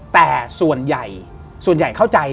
แต่ส่วนใหญ่เข้าใจ